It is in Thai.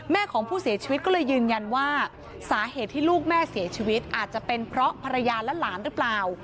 ของผู้เสียชีวิตก็เลยยืนยันว่าสาเหตุที่ลูกแม่เสียชีวิตอาจจะเป็นเพราะภรรยาและหลานหรือเปล่า